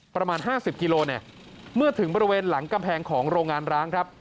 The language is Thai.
ประมาณ๕๐กิโลเนี่ยเมื่อถึงบริเวณหลังกำแพงของโรงงานร้างครับ